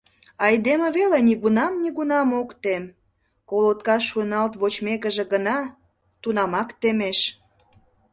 Айдеме веле нигунам-нигунам ок тем, колоткаш шуйналт вочмекыже гына, тунамак темеш.